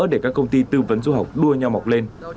để các công ty tư vấn du học đua nhau mọc lên